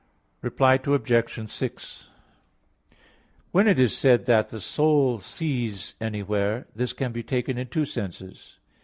Reply Obj. 6: When it is said that the soul sees anywhere, this can be taken in two senses.